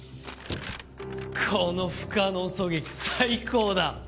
この不可能狙撃最高だ！